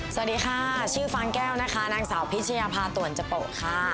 สวัสดีค่ะชื่อฟางแก้วนะคะนางสาวพิชยาภาต่วนจโปะค่ะ